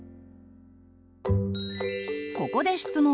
ここで質問。